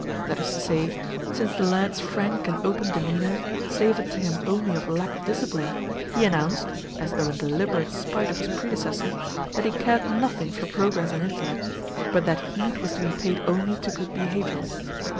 That is to say, since the lads' frank and open demeanour savoured to him only of lack of discipline, he announced (as though in deliberate spite of his predecessor) that he cared nothing for progress and intellect, but that heed was to be paid only to good behaviour.